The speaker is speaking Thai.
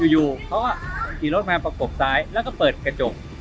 อยู่เขาก็ขี่รถมาประกบซ้ายแล้วก็เปิดกระจก